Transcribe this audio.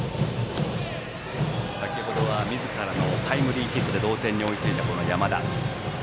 先程はみずからのタイムリーヒットで同点に追いついた山田。